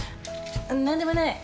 何でもない。